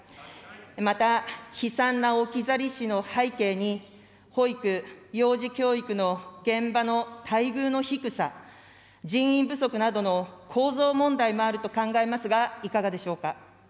また、悲惨な置き去り死の背景に、保育、幼児教育の現場の待遇の低さ、人員不足などの構造問題もあると考えますがいかがでしょうか。